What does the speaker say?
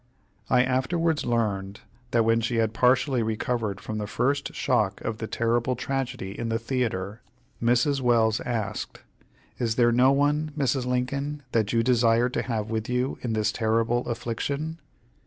I afterwards learned, that when she had partially recovered from the first shock of the terrible tragedy in the theatre, Mrs. Welles asked: "Is there no one, Mrs. Lincoln, that you desire to have with you in this terrible affliction?"